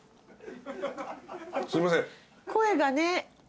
すいません。